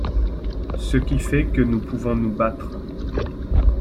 Ce qui fait que nous pouvons nous battre.